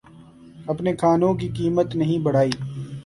اپنے کھانوں کی قیمت نہیں بڑھائی